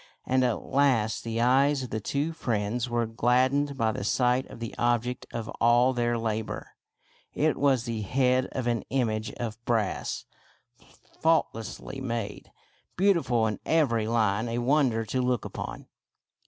And at last the eyes of the two friends were gladdened by the sight of the object of all their labor. It was the head of an image of brass — faultlessly made, beautiful in every line, a wonder to look upon.